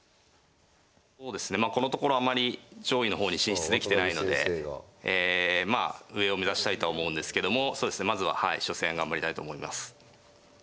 そうですねまあこのところあまり上位の方に進出できてないのでまあ上を目指したいとは思うんですけどもまずははい初戦頑張りたいと思います。